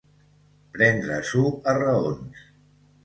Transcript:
Prendre-s'ho a raons.